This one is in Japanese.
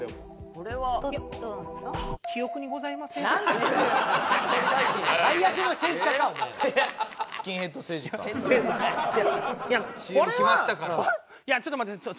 これはいやちょっと待ってください。